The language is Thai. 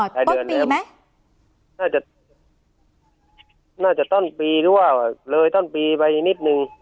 อ๋อต้นปีไหมน่าจะน่าจะต้นปีหรือว่าเลยต้นปีไปนิดหนึ่ง